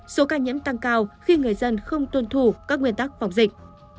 số ca nhiễm tăng cao khi người dân không tuân thủ các nguyên tắc phòng dịch